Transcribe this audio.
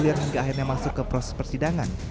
liar hingga akhirnya masuk ke proses persidangan